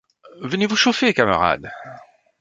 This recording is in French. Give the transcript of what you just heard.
Venez vous chauffer, camarade.